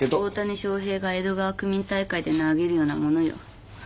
大谷翔平が江戸川区民大会で投げるようなものよ。